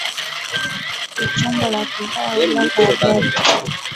Ichumbo la kudhaa huvava ajabu